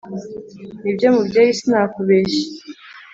nibyo mubyeyi sinakubeshya